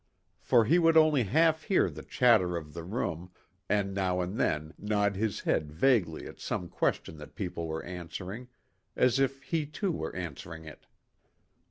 For he would only half hear the chatter of the room and now and then nod his head vaguely at some question that people were answering as if he too were answering it.